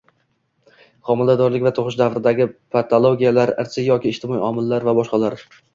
xomiladorlik va tug‘ish davridagi patologiyalar, irsiy yoki ijtimoiy omillar va b.